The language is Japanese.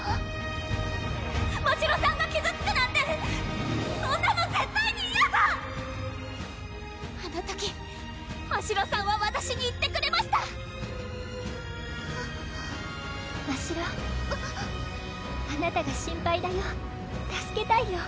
ましろさんが傷つくなんてそんなの絶対にあの時ましろさんはわたしに言ってくれましたましろあなたが心配だよ助けたいよ